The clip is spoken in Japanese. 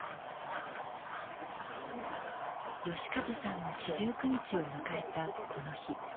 義計さんの四十九日を迎えたこの日。